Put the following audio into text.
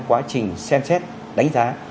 quá trình xem xét đánh giá